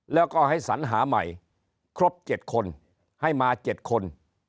แล้วก็ให้สัญหาใหม่ครบ๗คนให้มา๗คน